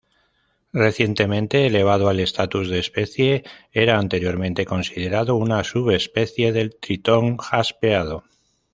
Recientemente elevado al estatus de especie, era anteriormente considerado una subespecie del tritón jaspeado.